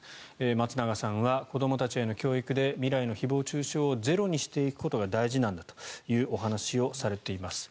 松永さんは子どもたちへの教育で未来の誹謗・中傷をゼロにしていくことが大事なんだというお話をされています。